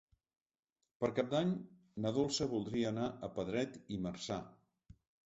Per Cap d'Any na Dolça voldria anar a Pedret i Marzà.